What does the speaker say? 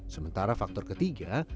sementara faktor ketiga